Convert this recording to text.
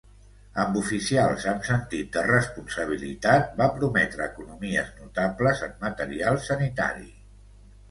Amb oficials amb sentit de responsabilitat, va prometre economies notables en material sanitari.